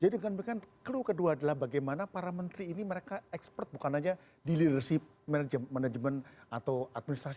jadi dengan begitu clue kedua adalah bagaimana para menteri ini mereka ekspert bukan saja di leadership management atau administrasi